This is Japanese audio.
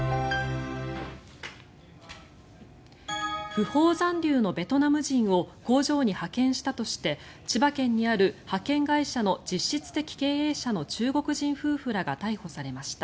不法残留のベトナム人を工場に派遣したとして千葉県にある派遣会社の実質的経営者の中国人夫婦らが逮捕されました。